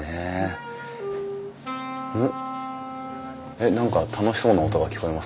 えっ何か楽しそうな音が聞こえますね。